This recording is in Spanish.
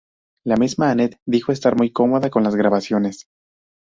La misma Anette dijo estar muy cómoda con las grabaciones.